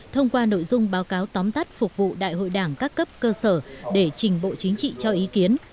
thông qua nội dung báo cáo tóm tắt phục vụ đại hội đảng các cấp cơ sở để trình bộ chính trị cho ý kiến